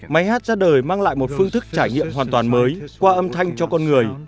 máy hát ra đời mang lại một phương thức trải nghiệm hoàn toàn mới qua âm thanh cho con người